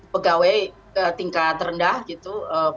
pegawai tingkat rendah gitu